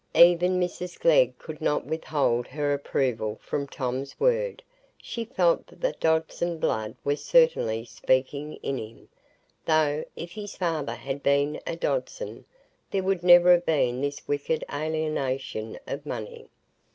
Even Mrs Glegg could not withhold her approval from Tom's words; she felt that the Dodson blood was certainly speaking in him, though, if his father had been a Dodson, there would never have been this wicked alienation of money.